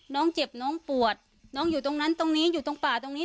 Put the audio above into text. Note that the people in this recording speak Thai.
น้องเจ็บน้องปวดน้องอยู่ตรงนั้นตรงนี้อยู่ตรงป่าตรงนี้